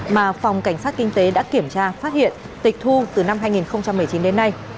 mà phòng cảnh sát kinh tế đã kiểm tra phát hiện tịch thu từ năm hai nghìn một mươi chín đến nay